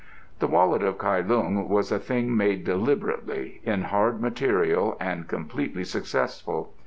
The Wallet of Kai Lung was a thing made deliberately, in hard material and completely successful.